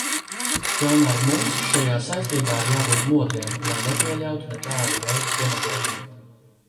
Tomēr mums šajā saistībā ir jābūt modriem, lai nepieļautu nekāda veida demagoģiju.